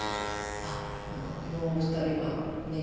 あっなんかこのお二人はねっ。